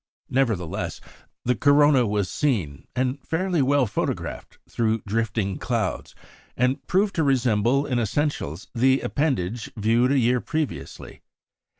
Nevertheless, the corona was seen, and fairly well photographed through drifting clouds, and proved to resemble in essentials the appendage viewed a year previously.